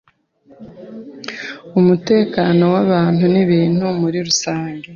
umutekeno w’ebentu n’ibintu muri rusenge.